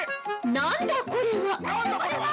なんだこれは！